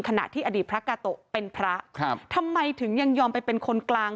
ขณะที่อดีตพระกาโตะเป็นพระครับทำไมถึงยังยอมไปเป็นคนกลาง